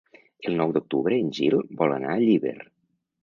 El nou d'octubre en Gil vol anar a Llíber.